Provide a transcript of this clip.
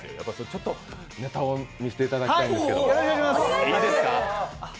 ちょっとネタを見せていただきたいんですが、いいですか。